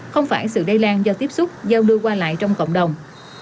không phải sự đầy lan do tiếp xúc giao đưa qua lại trong cộng đồng